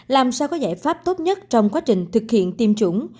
làm sao có giải pháp tốt nhất trong quá trình thực hiện tiêm chủng